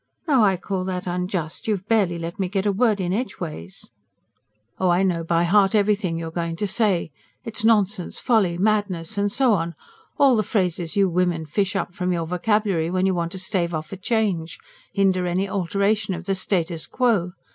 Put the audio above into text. "Now I call that unjust. You've barely let me get a word in edgeways." "Oh, I know by heart everything you're going to say. It's nonsense ... folly ... madness ... and so on: all the phrases you women fish up from your vocabulary when you want to stave off a change hinder any alteration of the STATUS QUO.